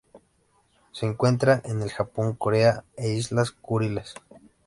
Se encuentra en el Japón, Corea e Islas Kuriles.